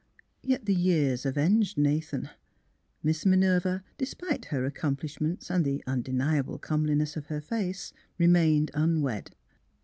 Yet the years avenged Nathan. Miss Minerva, despite her accomplishments and the undeniable comeliness of her face, remained unwed.